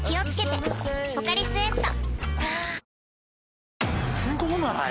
「ポカリスエット」